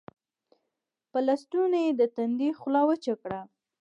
پۀ لستوڼي يې د تندي خوله وچه کړه